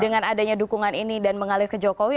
dengan adanya dukungan ini dan mengalir ke jokowi